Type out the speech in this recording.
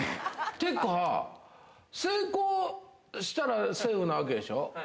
てか、成功したらセーフなわけでしょ？